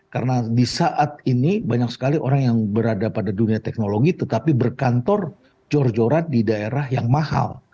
karena di saat ini banyak sekali orang yang berada pada dunia teknologi tetapi berkantor jor joran di daerah yang mahal